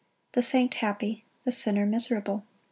The saint happy, the sinner miserable.